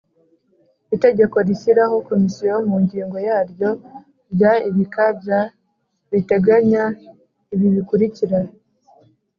Itegeko rishyiraho Komisiyo mu ngingo yaryo ya ibika bya riteganya ibi bikurikira